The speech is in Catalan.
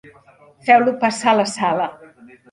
Feu-lo passar a la sala.